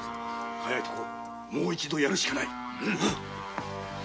早いとこもう一度殺るしかない。